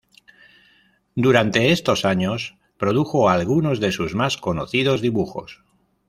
Durante estos años produjo algunos de sus más conocidos dibujos.